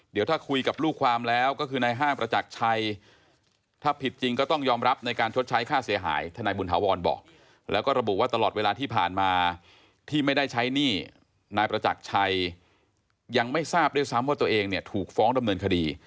ที่ไม่ได้ใช้หนี้นายประจักษ์ชัยยังไม่ทราบด้วยซ้ำว่าตัวเองถูกฟ้องดำเนินคดี